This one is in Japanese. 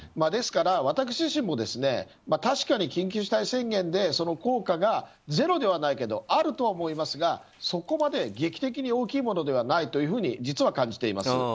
ですから、私自身も確かに緊急事態宣言で効果がゼロではないけどあるとは思いますがそこまで劇的に大きいものではないと実は感じています。